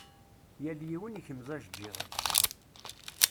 Yal yiwen ikmez ajeǧǧiḍ-is.